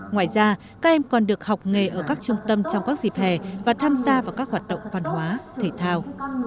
ngoài ra các em còn được học nghề ở các trung tâm trong các dịp hè và tham gia vào các hoạt động văn hóa thể thao